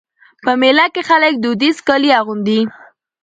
په مېله کښي خلک دودیز کالي اغوندي.